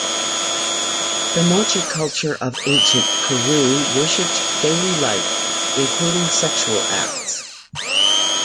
The Moche culture of ancient Peru worshipped daily life including sexual acts.